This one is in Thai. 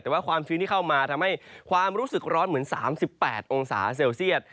แต่ว่าความชื้นที่เข้ามาทำให้ความรู้สึกร้อนเหมือน๓๘องศาเซลเซียต